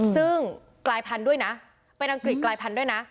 ซึ่งกลายพันธุ์ด้วยนะเป็นอังกฤษกลายพันธุ์ด้วยนะ